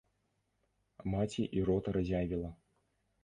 Маці і рот разявіла.